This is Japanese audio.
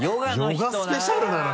ヨガスペシャルなの？